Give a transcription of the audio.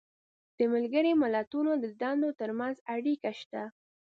د ملګرو ملتونو د دندو تر منځ اړیکه شته.